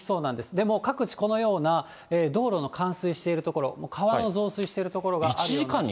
でも各地、このような道路の冠水している所、川の増水している所があるような状況。